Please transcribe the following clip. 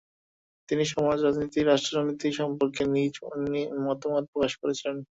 তিনি সমাজ, রাজনীতি ও রাষ্ট্রনীতি সম্পর্কে নিজ মতামত প্রকাশ করেছিলেন।